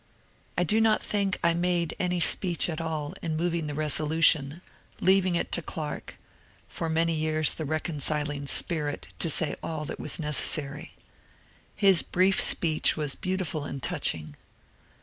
I do not think I made any speech at all in moving the resolution, leaving it to Clarke, for many years the reconcil ing spirit, to say all that was necessary. His brief speech was beautiful and touching.